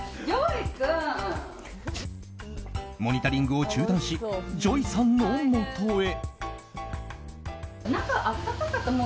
モニタリングを中断しＪＯＹさんのもとへ。